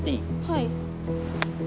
はい。